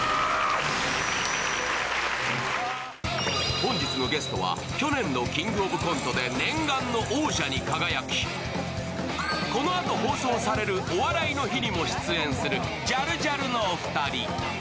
本日のゲストは、去年の「キングオブコント」で念願の王者に輝き、このあと放送される「お笑いの日」にも出演するジャルジャルのお二人。